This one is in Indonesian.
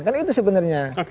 kan itu sebenarnya